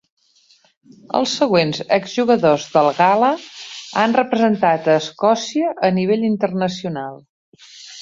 Els següents exjugadors del Gala han representat a Escòcia a nivell internacional.